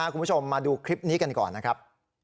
คุณผู้ชมมาดูคลิปนี้กันก่อนนะครับ